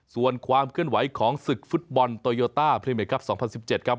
ส่วนความเคลื่อนไหวของศึกฟุตบอลโตโยต้าพรีเมคครับ๒๐๑๗ครับ